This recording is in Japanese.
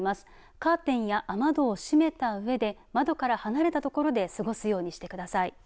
カーテンや雨戸を閉めたうえで窓から離れたところで過ごすようにしてください。